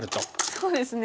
そうですね